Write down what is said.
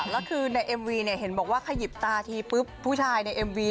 แล้วคือเนี่ยแล้วในเอ็มวี้เห็นบอกว่าขยิบตาที่ผู้ชายในเอ็มวี้